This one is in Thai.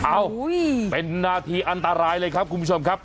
เอ้าเป็นนาทีอันตรายเลยครับคุณผู้ชมครับ